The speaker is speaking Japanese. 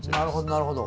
なるほど。